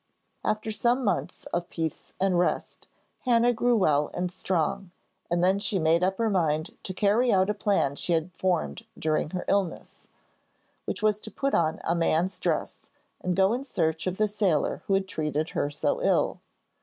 After some months of peace and rest, Hannah grew well and strong, and then she made up her mind to carry out a plan she had formed during her illness, which was to put on a man's dress, and go in search of the sailor who had treated her so ill.